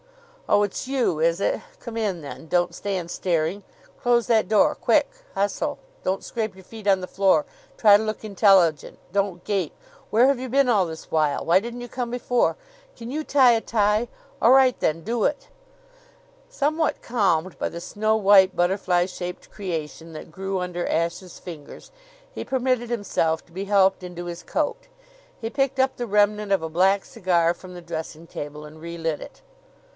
"Oh, it's you, is it? Come in, then. Don't stand staring. Close that door quick! Hustle! Don't scrape your feet on the floor. Try to look intelligent. Don't gape. Where have you been all this while? Why didn't you come before? Can you tie a tie? All right, then do it!" Somewhat calmed by the snow white butterfly shaped creation that grew under Ashe's fingers, he permitted himself to be helped into his coat. He picked up the remnant of a black cigar from the dressing table and relit it.